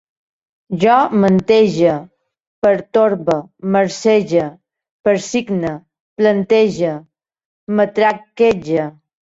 Jo mantege, pertorbe, marcege, persigne, plantege, matraquege